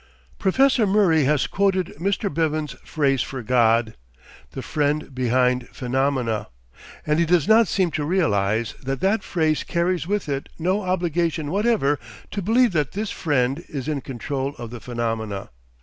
Professor Murray has quoted Mr. Bevan's phrase for God, "the Friend behind phenomena," and he does not seem to realise that that phrase carries with it no obligation whatever to believe that this Friend is in control of the phenomena.